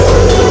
itu udah gila